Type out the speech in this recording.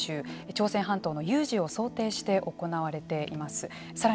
朝鮮半島の有事を想定して行われています。